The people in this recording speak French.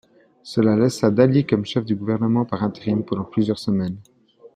Cela laissa Daly comme chef du gouvernement par intérim pendant plusieurs semaines.